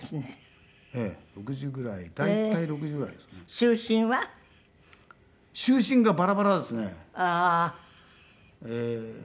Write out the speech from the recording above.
就寝がバラバラですね。